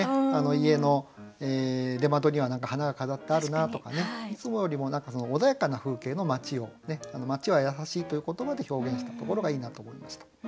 家の出窓には花が飾ってあるなとかねいつもよりも穏やかな風景の町を「町はやさしい」という言葉で表現したところがいいなと思いました。